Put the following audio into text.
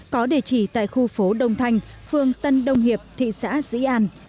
có địa chỉ tại khu phố đông thanh phương tân đông hiệp thị xã dĩ an